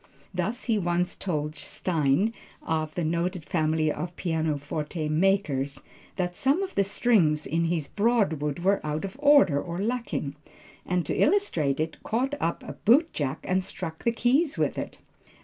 Thus he once told Stein, of the noted family of pianoforte makers that some of the strings in his Broadwood were out of order or lacking, and to illustrate it, caught up a bootjack and struck the keys with it.